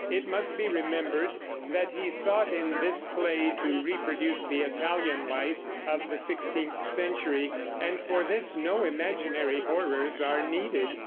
It must be remembered that he sought in this play to reproduce the Italian life of the sixteenth century, and for this no imaginary horrors are needed.